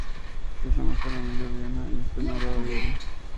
Es la mejor amiga de Anna y está enamorada de ella.